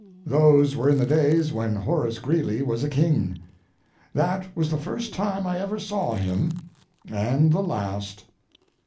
Those were in the days when Horace Greeley was a king. That was the first time I ever saw him and the last.